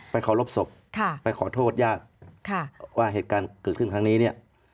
เคารพศพไปขอโทษญาติว่าเหตุการณ์เกิดขึ้นครั้งนี้เนี่ย